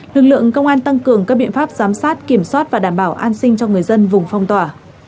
lực lượng công an tăng cường các biện pháp giám sát kiểm soát và đảm bảo an sinh cho người dân vùng phong tỏa